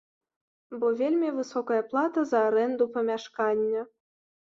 Бо вельмі высокая плата за арэнду памяшкання.